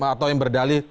atau yang berdali